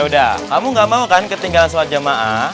yaudah kamu gak mau kan ketinggalan sholat jamaa